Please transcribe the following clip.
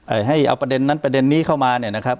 ให้เอาประเด็นนั้นประเด็นนี้เข้ามาเนี่ยนะครับ